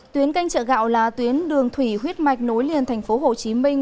tuyến canh chợ gạo là tuyến đường thủy huyết mạch nối liền thành phố hồ chí minh